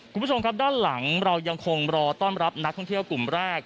คุณผู้ชมครับด้านหลังเรายังคงรอต้อนรับนักท่องเที่ยวกลุ่มแรก